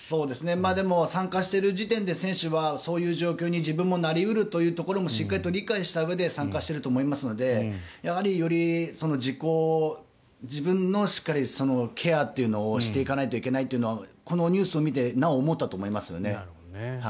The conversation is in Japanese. でも、参加している時点で選手はそういう状況に自分もなり得るというところもしっかり理解したうえで参加していると思いますのでより自分のしっかりケアというのをしていかないといけないというのはこのニュースを見てなお思ったと思いますよね。